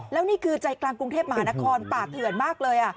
แล้วนี่คือใจกลางกรุงเทพมหานครป่าเถื่อนมากเลย